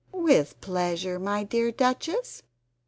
"With pleasure, my dear Duchess."